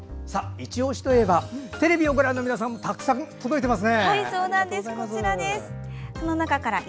いちオシといえばテレビをご覧の皆さんからたくさん届いていますね。